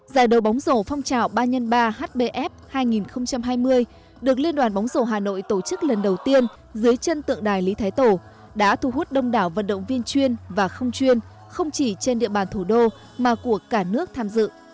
giải đấu bóng rổ phong trào ba x ba hbf hai nghìn hai mươi được liên đoàn bóng rổ hà nội tổ chức lần đầu tiên dưới chân tượng đài lý thái tổ đã thu hút đông đảo vận động viên chuyên và không chuyên không chỉ trên địa bàn thủ đô mà của cả nước tham dự